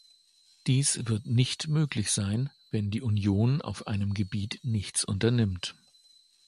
Dies wird nicht möglich sein, wenn die Union auf einem Gebiet nichts unternimmt.